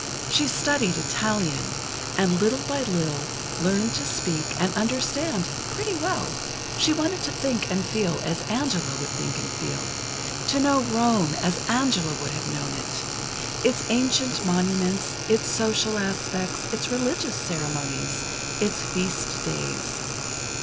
She studied Italian, and little by little, learned to speak and understand, pretty well. She wanted to think and feel as Angela would think and feel ... to know Rome as Angela would have known it—its ancient monuments, its social aspects, its religious ceremonies, its feast days.